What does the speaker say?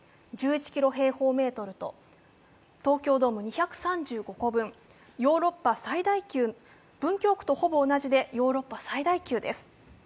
１１キロ平方メートルと東京ドーム２３５個分文京区と同じぐらいでヨーロッパ最大級です。